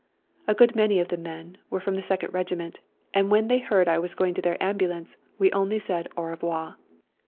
A good many of the men were from the Second Regiment, and when they heard I was going to their ambulance we only said au revoir.